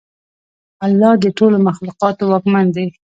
الله د ټولو مخلوقاتو واکمن دی.